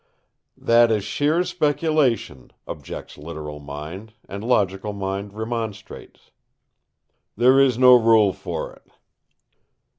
"That is sheer speculation," objects literal mind; and logical mind remonstrates. "There is no rule for it."